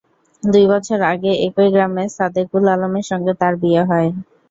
দুই বছর আগে একই গ্রামের সাদেকুল আলমের সঙ্গে তাঁর বিয়ে হয়।